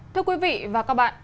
thưa quý vị và các bạn